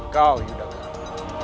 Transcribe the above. kau sudah kena